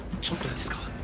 ちょっといいですか。